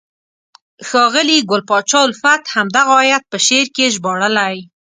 ښاغلي ګل پاچا الفت همدغه آیت په شعر کې ژباړلی: